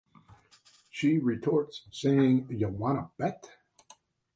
She retorts saying ya wanna bet?